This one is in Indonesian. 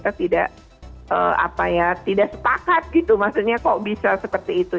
tidak apa ya tidak sepakat gitu maksudnya kok bisa seperti itu